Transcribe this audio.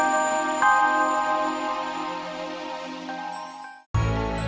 saya sudah berhenti